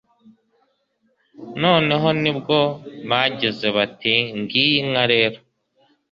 noneho ni bwo bagize bati 'ngiyi inka rero